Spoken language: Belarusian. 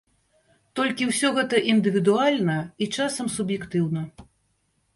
Толькі ўсё гэта індывідуальна і часам суб'ектыўна.